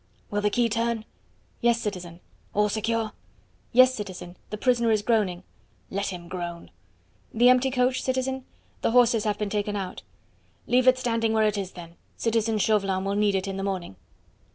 "Will the key turn?" "Yes, citizen." "All secure?" "Yes, citizen. The prisoner is groaning." "Let him groan." "The empty coach, citizen? The horses have been taken out." "Leave it standing where it is, then; citizen Chauvelin will need it in the morning."